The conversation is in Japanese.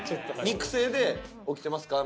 肉声で「起きてますか？」